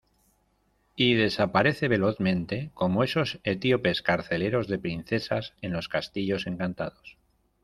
y desaparece velozmente, como esos etíopes carceleros de princesas en los castillos encantados.